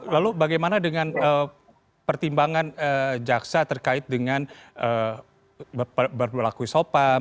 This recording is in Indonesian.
lalu bagaimana dengan pertimbangan jaksa terkait dengan berlaku isopam